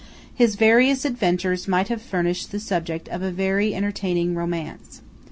His various adventures might have furnished the subject of a very entertaining romance.